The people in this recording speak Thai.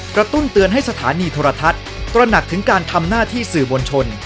ตุ้นเตือนให้สถานีโทรทัศน์ตระหนักถึงการทำหน้าที่สื่อมวลชน